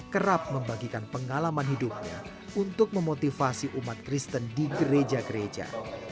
kerap membagikan pengalaman hidupnya untuk memotivasi umat kristen di gereja gereja